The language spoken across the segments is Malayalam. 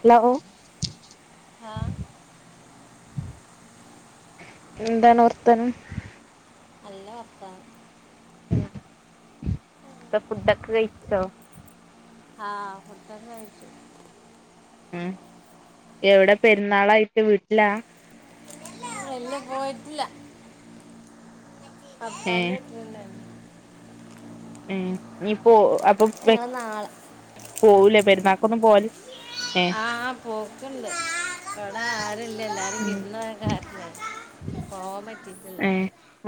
ഹലോ ആ എന്താണ് വർത്താനം നല്ല വർത്താനം [unintelligible] ഫുഡ്‌ ഒക്കെ കഴിച്ചോ ആ ഫുഡ്‌ ഒക്കെ കഴിച്ചു ഉം എവിട പെര്ന്നാളായിട്ട് വീട്ടിലാ ഇല്ല ല്ല പോയിട്ടില്ല ഏ ഭർത്താന്റ വീട്ടില്ന്നെ ഏ ഇപ്പൊ അപ് ഞങ്ങളു നാളെ പെരുന്നാക്കൊന്നും പോവല് ഏ ആ പോക്ക്ണ്ട് ആ എല്ലാരും വീട്ടിൽ ആയ കാരണമേ പോകാൻ പറ്റീട്ടില്ല ഏ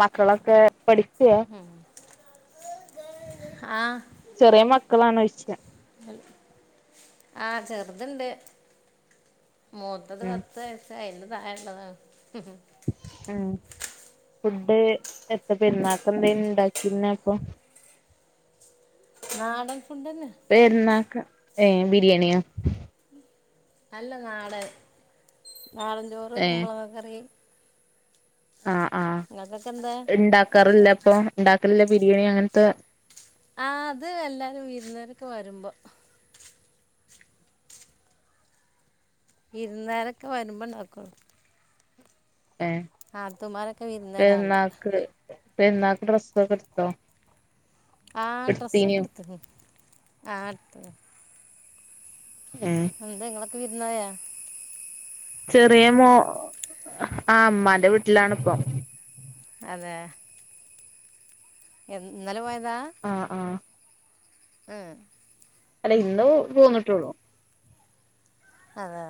മക്കളൊക്കെ പഠിക്കയാ ഉം ആ ചെറിയ മക്കളാണ്ച്ച് ആ ചെറ്ത്ണ്ട് മൂത്തത് ഉം പത്ത്വേസായി ഉം ഫുഡ് എത്ത പെര്ന്നാക്കെന്തേനി ഇണ്ടാക്കിഞ്ഞേ അപ്പൊ നാളെ പെര്ന്നാക്ക് ഏ ബിരിയാണിയാ അല്ല നാടന് നാടഞ്ചോറ് ഏ കുമ്പൾങ്ങക്കറി ആ ആ നിങ്ങൾക്കൊക്കെ എന്താ ണ്ടാക്കാറ്ല്ലെ പ്പൊ ണ്ടാക്കല് ല്ലെബിരിയാണി അങ്ങൻത്തെ ആ ത്എല്ലാരും വിര്ന്നാരൊക്കെ വര്മ്പൊ വിര്ന്നാരക്കെ വര്മ്പ ണ്ടാക്കൊള്ളു ഏ വിരുന്നുകാരാണ്ട് പെര്ന്നാക്ക് പെര്ന്നാക്ക് ഡ്രസൊക്കെട്ത്തൊ ആ ഡ്രസ് ഒക്കെ ഇട്ത്ണ് ആഹ് ഉം എന്താ നിങ്ങള് [unintelligible] ചെറിയ മോ ആ അമ്മാൻ്റെ വീട്ടിലാണ് ഇപ്പൊ അതേ ഇന്നലെ പോയ ആ ആ ഉം അല്ല ഇന്ന് പോന്നിട്ടുള്ളൂ. അതേ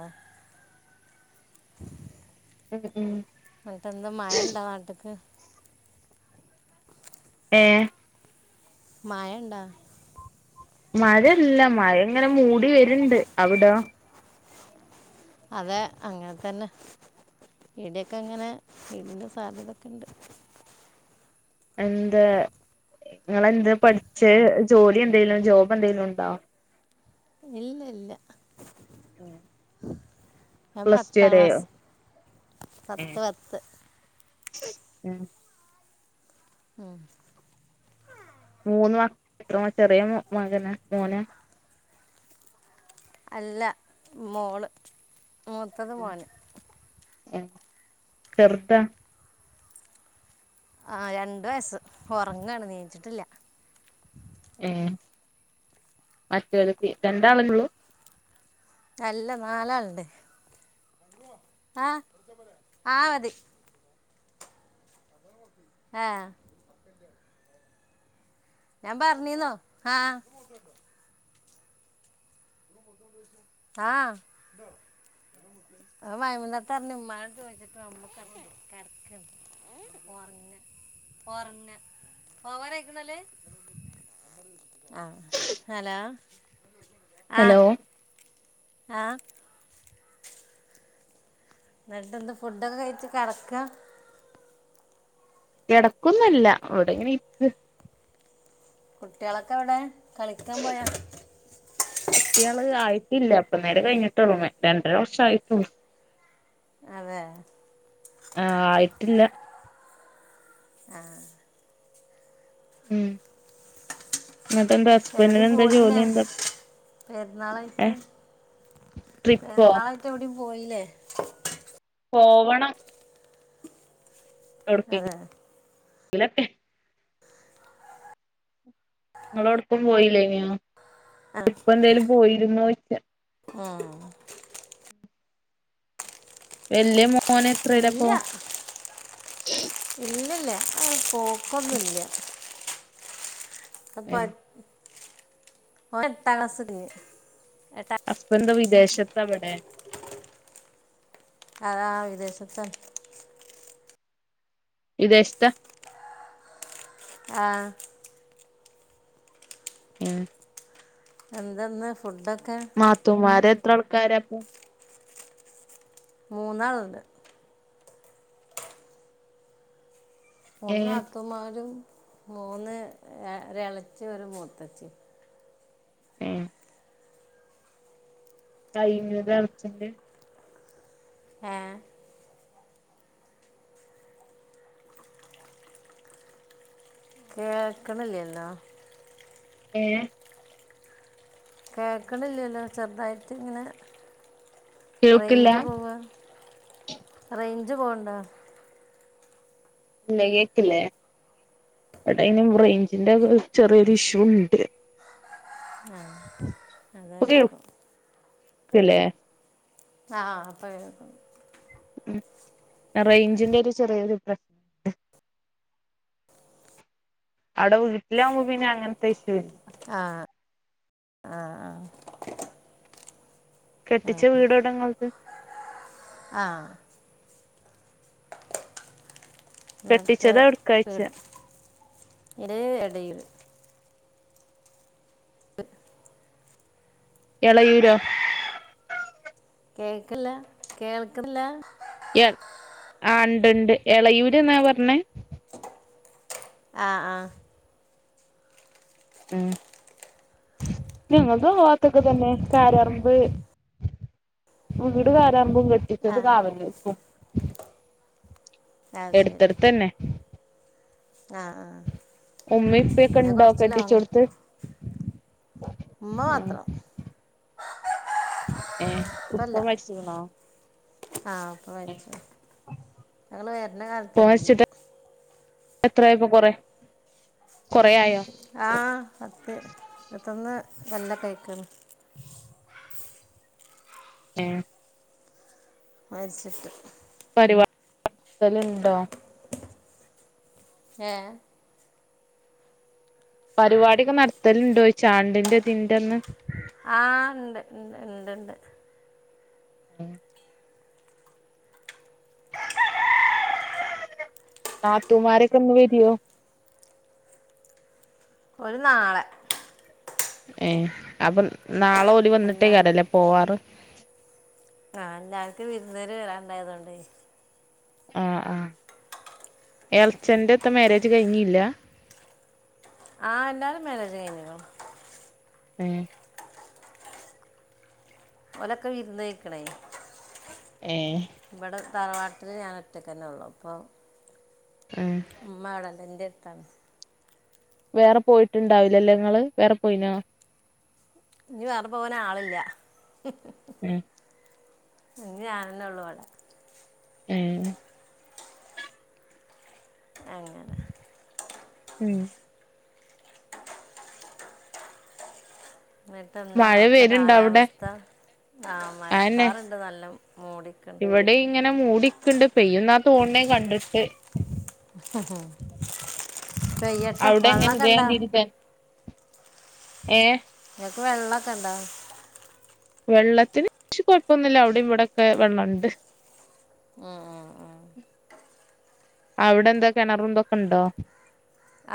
[unintelligible] അന്നിട്ടെന്താ മഴ ഇണ്ടാ നാട്ടിക്ക് ഏഹ് മഴെണ്ട മഴ ഇല്ല മഴ ഇങ്ങനെ മൂടി വരിണ്ട് അവിടോ? അതേ അങ്ങനെ തന്നെ ഇവിടേക്കെ ഇങ്ങനെ വെയിലിന്റെ സാധ്യതക്കെ ഇണ്ട്. എന്താ നിങ്ങള് എന്താ പഠിച്ചേ? ജോലി എന്തേലും ജോബ് എന്തേലും ഉണ്ടോ? ഇല്ലില്ല ഞാൻ പ്ലസ് ടു പത്താം വരെയോ ക്ലാസ് പത്തു പത്ത് ഉം ഉം മൂന്ന് [unintelligible] ചെറിയ മകനാ മോനാ അല്ല മോള്. മൂത്തത് മോന് ഏ ചെർതാ ആ രണ്ട് വയസ്സ് ഒർങ്ങാണ് നീച്ച്ട്ടി ല്ലാ. ഏ മറ്റോലെ രണ്ടാളല്ലേ ഉള്ളൂ? അല്ല നാലാള്ണ്ട്. ആ ആ മതി. ആ ഞാൻ പറഞ്ഞിന്നു ആ. ആ [unintelligible] ഹലോ ആ ഹലോ ആ ന്നിട്ട് എന്താ ഫുഡ് ഒക്കെ കഴിച്ച് കെട്ക്ക? കെടക്കൊന്നല്ല ഇവ്ടെ ങ്ങനെ ഇര് കുട്ടിയളൊക്കെ എവ്ടെ കളിക്കാ പോയ. കുട്ടിയള് ആയിട്ടില്ല. ഇപ്പന്നാരാ കൈന്നിട്ടുള്ളു. രണ്ടര വർഷം ആയിട്ടുള്ളൂ. അതേ. ആ ആയിട്ടില്ല. ആ ഉം എന്നിട്ട് എന്താ ഹസ്ബൻഡിന് എവിടേം എന്താ പോയില്ലേ ജോലി എന്താ ഏ പെര്ന്നാളായിട്ട് ട്രിപ്പോ പെര്ന്നാളായിട്ട് എവിടം പോയില്ലേ? പോവണം അതെ എവിടക്കെങ്കിലൊക്കെ [unintelligible] നിങ്ങൾ എവിടേക്കും പോയില്ലേ നു ആ ഇപ്പ എന്തേലും പോയി [unintelligible] ആഹ് വല്യ മോന ഇല്ല ഇല്ലില്ല [inaudible] ഒന്നൂല്ല ഏ അപ്പ എട്ടാം ക്ലാസ്സ് കഴിഞ്ഞ് എട്ടാ [unintelligible] വിദേശത്ത് അവിടെ അതാ വിദേശത്ത വിദേശത്ത ആഹ് ഉം എന്താ ഇന്ന് ഫുഡൊ നാത്തുമാ ര് എത്ര ആൾക്കാരാ മൂന്ന് ആളുണ്ട് ഏ മൂന്ന് നാത്തുൻ മാരും മൂന്ന് ഒരെളച്ചി ഒരു മൂത്തച്ചി. ആഹ് [unintelligible] ആഹ് [unintelligible] ഏഹ് കേൾക്കണില്ലേന്ന് ചെറുതായിട്ട് ഇങ്ങന കേൾക്കില്ല റേയ്ജ് പോവാ റേയ്ഞ്ച് പോവുന്നിണ്ട ഇല കേൾക്കില്ലേ ഇവിടെ റേഞ്ചിൻ്റെ ചെറിയൊരു ഇഷ്യൂ ഒണ്ട് ഉം [inaudible] കേൾക്കണില്ലേ ആഹ് ഇപ്പ കേക്കാ റേഞ്ചിന്റെ ഒര് ചെറിയ ഒര് പ്ര അവിടെ വീട്ടിലാകുമ്പോ പിന്നെ അങ്ങനത്തെ ഇഷ്യൂ ഇല്ല ആഹ് ആഹ് കെട്ടിച്ച വീട് എവിടാ നിങ്ങൾക്? ആ കെട്ടിച്ചത് എവിടെക്കായ്ച്ച ഇര് ഇടയിൽ [inaudible] എളയൂരാ കേക്കില്ല കേൾക്കുന്നില്ല യ ആ ഇണ്ട് ഇണ്ട് എളയൂര്ന്നാ പറഞ്ഞെ? ആഹ് ആഹ് മ് ഞങ്ങക്കും ആഹ് ഭാഗത്തു ത്തന്നെ കാര്യാറമ്പ് വീട് കാര്യാറമ്പ് കേട്ട് ആ ഇപ്പത് കാവൽ നിക്കും ആ ശരി എടുത്തെടുത്ത ത്തന്നെ ആ ആ ഉമ്മേഉപ്പയൊക്കെ എൻ്റെ ഇണ്ടോ കുറച്ച് ലോങ് കെട്ടിച്ചയെടുത്ത് ഉമ്മ മാത്രം ഏ ഉപ്പ മരിച്ചുകുണോ? ആഹ് ഉപ്പ മരിച്ചു പോയി ഞങ്ങള് വരണ കാലത്തിനുള്ളിൽ എത്രയൊക്കെ കൊറേ കൊറേ ആയോ ആഹ് പത്തു ഇരുപത്തൊന്നു കൊല്ലൊക്കെ ആയിക്കിണ് മ് മരിച്ചിട്ട് പരിപാ ന്തേലും ണ്ടോ? ഏ പരിപാടിക്കെ നടത്തലുണ്ട് വെച്ചാണ്ടിന്റെ ഇതിന്റന്ന് ആഹ് ഇണ്ട് ഇണ്ട് ഇണ്ട് മ് നാത്തൂന്മാരൊക്കെ അന്ന് വരോ ഓര് നാളെ ഏ അപ്പം നാളെ ഓല് അല്ല വന്നിട്ടെ അടെല്ലാം പോവാറ് ആ അല്ല അങ്ങക് വിരുന്തുകാര് വരാനുണ്ടായിരുന്നകൊണ്ടേ ആഹ് ആഹ് ഏർചെല്ന്റെക്ക് മാര്യേജ് കഴിഞ്ഞില്ലാ ആ എല്ലാരും മാര്യേജ് കഴിഞ്ഞു ഏ ഓലൊക്കെ വിരുന്ത് യേക്കണെ ഏ തറവാട്ടില് ഞാൻ ഒറ്റക്കന്നെ ഉള്ളു അപ്പം ഏ മ്മാടെ നെഞ്ച് താമസ് വെറെ പോയിട്ട് ഇണ്ടാവുലലെ ഇങ്ങൾ വെറെ പോയിനൊ ഇഞ്ഞ് വേറെ പോവാൻ ആളില്ല ഉം ഇഞ്ഞ് ഞാനെന്നെ ഒള്ളു ഇവടെ ഏ അങ്ങനെ ഉം ഇന്നട്ട് എന്താ മഴ അവ്ട്ത്തെ വരുണ്ടോ അവിടെ കാലവസ്ഥ അയെന്നെ മഴക്കാർ ഇണ്ട് നല്ല മൂടിക്ക്ണ് തോൺണെ കണ്ട്ട്ട് പെയ്യട്ടെ അവിടെ വള്ളം എങ്ങനെ ഒക്കെ ഇതേ ഇണ്ടോ മാതിരി തന്നെ ഏ വെള്ള ഒക്കെ ഇണ്ടോ വെള്ളത്തിന് ച്ച് കൊഴപ്പൊന്നും ഇല്ല അയുടിം ഇവിടം ഒക്കെ വെള്ളം ഇണ്ട് ആ ആ അ അയുടെ എന്താ കെണറും തും ഒക്കെ ഇണ്ടോ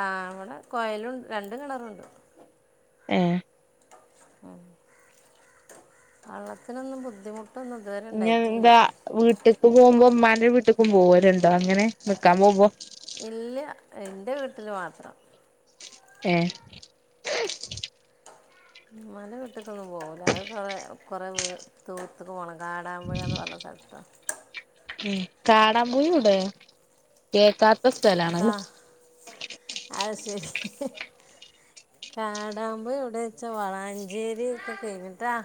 ആ ഇവടെ കൊഴലും രണ്ട് കെണറും ഇണ്ട് ഏ ആ വള്ളത്തിനൊന്നും ബുദ്ധിമു ഇഞ്ഞ് എന്താ വീട്ട്ക്ക് പോവുമ്പം ഇമ്മാന്റെ വീട്ട്ക്കും പോവൽ ഇണ്ടോ അങ്ങനെ നിക്കാൻ പോവുമ്പം ഇല്ല ഇന്റെ വീട്ടിൽ മാത്രം എ ഇമ്മാന്റെ വീട്ട്ക്ക് ഒന്നും പോവുല അത് കൊറെ കൊറെ വീ ദൂരത്ത്ക്ക് പോണം കാടമ്പുഴ എന്ന് പറഞ്ഞ സ്ഥൽത്താ ഉം കാടമ്പുഴ ഒയുടെ കേക്കാ കാ അയ് ശെരി കാടമ്പുഴ ഒയുടെ ച്ചാ വളാഞ്ചെരി ഒക്കെ കെഴിഞ്ഞിട്ടാ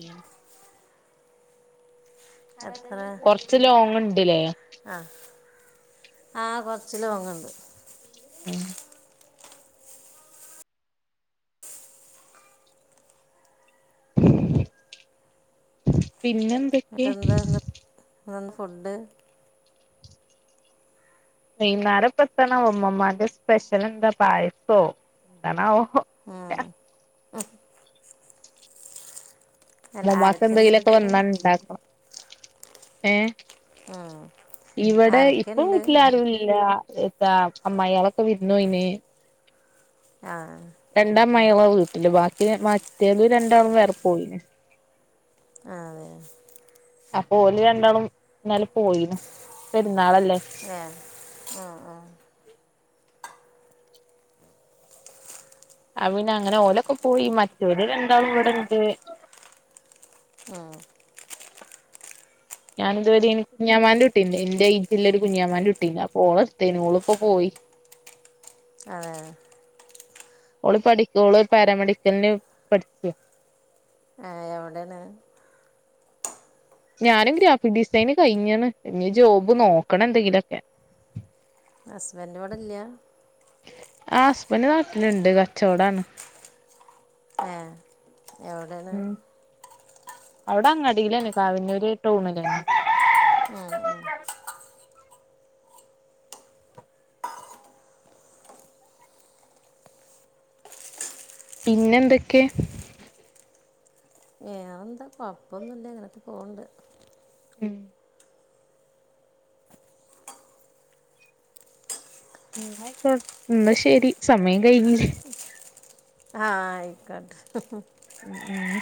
ഏ എത്ര കൊർച്ച് ലോങ്ങ് ഇണ്ട് ലെ ആ ആ കൊർച്ച് ലോങ്ങ് ഇണ്ട് ഉം പിന്നെ എന്തെക്കെ എന്നാണ് ഫുഡ് വൈന്നാരം ഇപ്പം എത്താണാവോ ഇമ്മമ്മാന്റെ സ്പെഷൽ ഉണ്ട് പായസോ എത്താണാവോ ആ അ അല്ല ഇമ്മമ്മാക്ക് ആരൊക്കെയുണ്ട് എന്തെങ്കിലും ഒക്കെ വീട്ടില് വന്നാ ഇണ്ടാക്കണം ഏ ആ ഇവിടെ ഇപ്പം വീട്ടിൽ ആരും ഇല്ല എത്താ അമ്മായിളോക്കെ വിരുന്നു പോയിന് ആ ആ ണ്ട് അമ്മായിയാളെ വീട്ടിലെ ബാക്കി മറ്റേത് രണ്ടാളും വേറെ പോയിന് ആ അപ്പോ ഓല് രണ്ടാളും ഇന്നലെ പോയി ന് പെരുന്നാ ഏ ആ ആ അ പിന്നെ അങ്ങനെ ഓലൊക്കെ പോയി മറ്റവര് രണ്ടാളും ഇവിടെണ്ട് ഉം [inaudible] ഞാൻ ഇതുവരെ കുഞ്ഞാമാന്റെ കുട്ടിന്റെ ഇന്റെ ആയിട്ടുല ഒരു കുഞ്ഞാമാന്റെ കു ട്ടീണ്ട് അപ്പൊ ഓളെത്തേയ്ന് ഓള ഇപ്പോപോയി അതെ ഓള് പഠിക്കോള് പാരാമെഡിക്കലിന് പഠികയാ ആ എവിടെന്ന് ഞാനും ഗ്രാഫിക് ഡിസൈന് കഴിഞ്ഞാണ് ഇനി ജോബ് നോക്കണ എന്തെങ്കിലുഒക്കെ ഹുസ്ബന്റോടെയല്ല ഹസ്ബൻഡ് നാട്ടിലുണ്ട് കച്ചവടാണ് ആ എവിടെണ് അവിടെ അങ്ങടിയിലന്നെ കാവന്നൂര് ടൗണിലന്നെ മം ഉം പിന്നെ എന്തൊക്കെ വേറെ എന്താ കൊഴപ്പൊന്നുംല്ല ഇ ങ്ങനക്കെ പോവണ്ട് ഉം ഇന്നാ ആയിക്കോ ഇന്ന് ശരി സമയം കഴിഞ്ഞില്ലേ ആ ആയികോട്ടെ ഉ ഉ